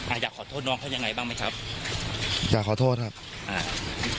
อยากขอโทษน้องเขายังไงบ้างไหมครับอยากขอโทษครับอ่า